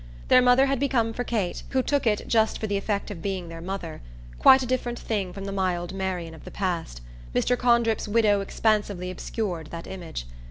Their mother had become for Kate who took it just for the effect of being their mother quite a different thing from the mild Marian of the past: Mr. Condrip's widow expansively obscured that image.